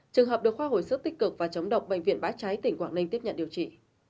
trường hợp được khoa hồi sức tích cực và chống độc bệnh viện bã cháy tỉnh quảng ninh tiếp nhận điều trị